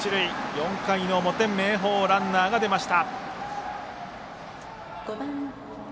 ４回の表、明豊ランナーが出ました。